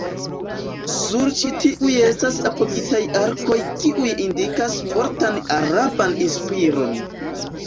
Sur ĉi tiuj estas apogitaj arkoj kiuj indikas fortan araban inspiron.